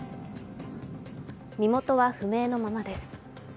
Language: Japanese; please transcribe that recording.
身元は不明のままです。